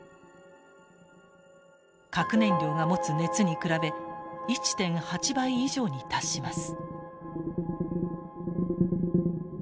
核燃料が持つ熱に比べ１．８倍以上に達します。